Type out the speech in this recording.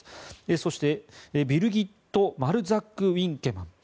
そして、ビルギット・マルザックウィンケマン。